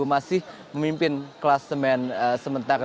masih pemimpin kelas semen sementara